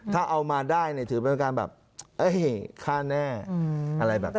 ถ้าเอามาได้เนี่ยถือเป็นการแบบเอ้ยฆ่าแน่อะไรแบบนี้